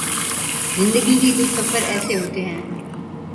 زندگی کے کچھ سفر ایسے ہوتے ہیں